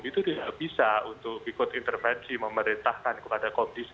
itu tidak bisa untuk ikut intervensi memerintahkan kepada komisi